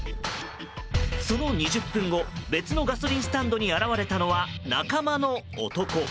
その２０分後別のガソリンスタンドに現れたのは仲間の男。